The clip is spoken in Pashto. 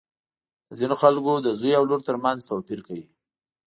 د ځینو خلکو د زوی او لور تر منځ توپیر کوي.